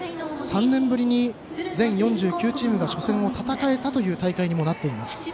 ３年ぶりに全４９チームが初戦を戦えたという大会にもなっています。